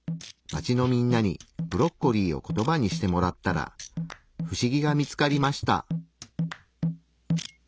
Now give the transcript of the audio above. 街のみんなにブロッコリーをコトバにしてもらったら不思議が見つかりました。